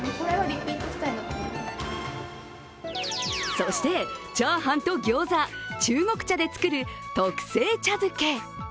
そしてチャーハンと餃子、中国茶で作る特製茶漬け。